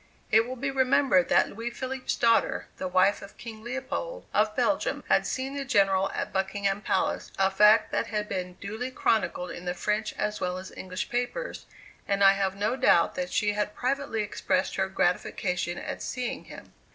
It will be remembered that Louis Philippe's daughter, the wife of King Leopold, of Belgium, had seen the General at Buckingham Palace a fact that had been duly chronicled in the French as well as English papers, and I have no doubt that she had privately expressed her gratification at seeing him.